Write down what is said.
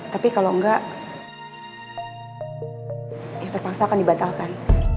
tapi kalau enggak ya terpaksa akan dibatalkan